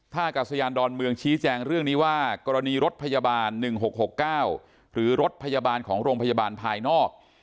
ถ้ากัศยานดอนเมืองชี้แจงเรื่องนี้ว่ากรณีรถพยาบาล๑๖๖๙หรือรถพยาบาลของโรงพยาบาลภายนอก